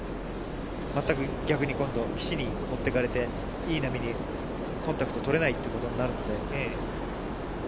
全く逆に今度、岸に持ってかれて、いい波にコンタクト取れないということになるので。